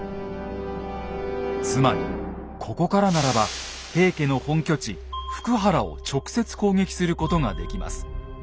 つまりここからならば平家の本拠地・福原を直接攻撃することができます。